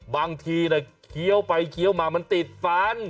บางทีเกี่ยวไปเกี่ยวมาติดฟัน